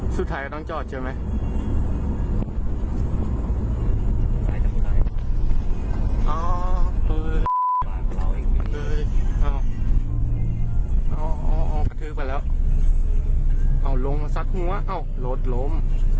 สุดท้ายต้องจอดใช่ไหม